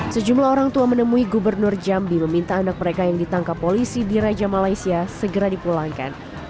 sejumlah orang tua menemui gubernur jambi meminta anak mereka yang ditangkap polisi di raja malaysia segera dipulangkan